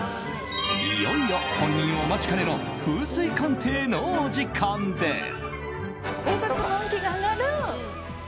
いよいよ、本人お待ちかねの風水鑑定のお時間です。